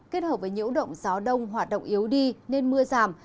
kết hợp với nhiễu động gió đông hoạt động yếu đi nên mưa giảm